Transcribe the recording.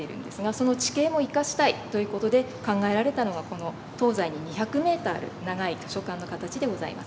その地形も生かしたいという事で考えられたのがこの東西に２００ｍある長い図書館の形でございます。